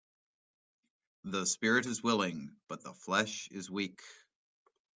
The spirit is willing but the flesh is weak